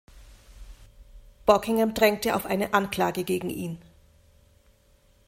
Buckingham drängte auf eine Anklage gegen ihn.